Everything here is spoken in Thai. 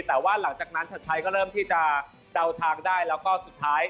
แต่ว่าหลังจากนั้นชัดชัยก็เริ่มที่จะเดาทางได้แล้วก็สุดท้าย